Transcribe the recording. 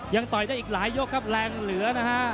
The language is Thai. ต่อยได้อีกหลายยกครับแรงเหลือนะฮะ